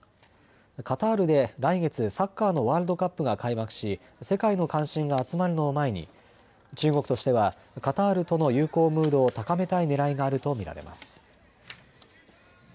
カタールで来月、サッカーのワールドカップが開幕し世界の関心が集まるのを前に中国としてはカタールとの友好ムードを高めたいねらいがあると見られます。